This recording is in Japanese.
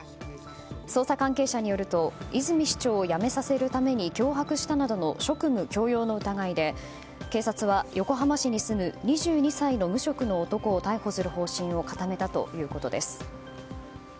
捜査関係者によりますと泉市長を辞めさせるために脅迫したなどの職務強要の疑いで警察は横浜市に住む２２歳の無職の男を逮捕する方針を固めたということです。